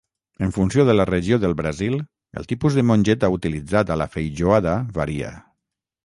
En funció de la regió del Brasil, el tipus de mongeta utilitzat a la feijoada varia.